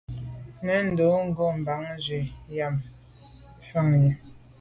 Nèn ndo’ ngo’ bàn nzwi am nse’ mfà yi.